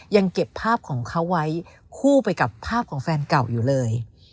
ยังเก็บภาพของเขาไว้คู่ไปกับภาพของแฟนเก่าอยู่เลย